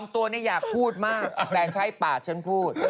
ตัวนี้อยากพูดมากแฟนใช้ปากฉันพูด